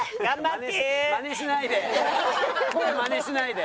もうマネしないで。